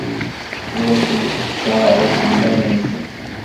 Ur asent-sseqcareɣ iselman-nsent.